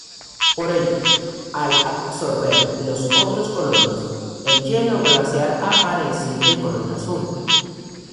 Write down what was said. Por ello, al absorber los otros colores, el hielo glaciar aparece de color azul.